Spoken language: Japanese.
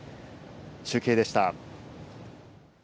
中継でした。